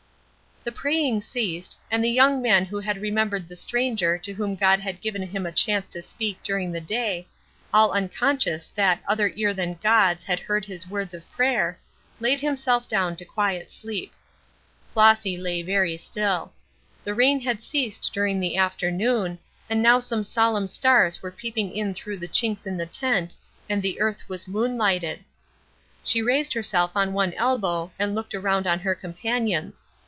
The praying ceased, and the young man who had remembered the stranger to whom God had given him a chance to speak during the day, all unconscious that other ear than God's had heard his words of prayer, laid himself down to quiet sleep. Flossy lay very still. The rain had ceased during the afternoon, and now some solemn stars were peeping in through the chinks in the tent and the earth was moon lighted. She raised herself on one elbow and looked around on her companions.